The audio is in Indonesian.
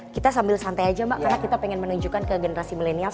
kita sambil santai aja mbak karena kita pengen menunjukkan ke generasi milenial